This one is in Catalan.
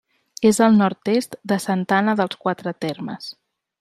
És al nord-est de Santa Anna dels Quatre Termes.